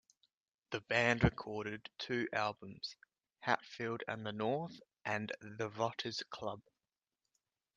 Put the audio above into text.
The band recorded two albums, "Hatfield and the North" and "The Rotters' Club".